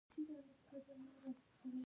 باز خپل ښکار په خوله نه راوړي